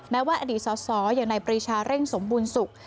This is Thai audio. แม้ว่าอดีตสออย่างในประชาเร่งสมบูรณ์ศุกร์